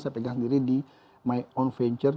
saya pegang diri di my on venture